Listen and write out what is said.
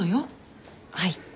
はい。